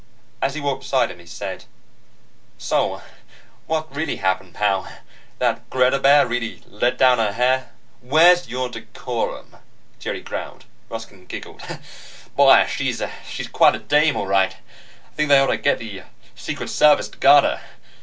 As he walked beside him, he said: "So what really happened, pal? That Greta babe really let down her hair?" "Where's your decorum?" Jerry growled. Ruskin giggled. "Boy, she's quite a dame, all right. I think they ought to get the Secret Service to guard her.